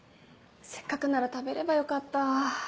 せっかくなら食べればよかった。